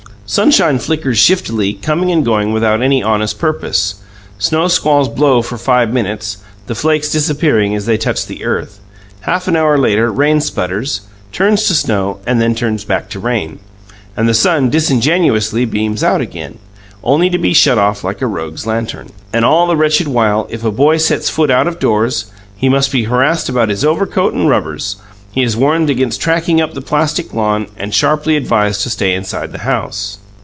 Sunshine flickers shiftily, coming and going without any honest purpose; snow squalls blow for five minutes, the flakes disappearing as they touch the earth; half an hour later rain sputters, turns to snow and then turns back to rain and the sun disingenuously beams out again, only to be shut off like a rogue's lantern. And all the wretched while, if a boy sets foot out of doors, he must be harassed about his overcoat and rubbers; he is warned against tracking up the plastic lawn and sharply advised to stay inside the house.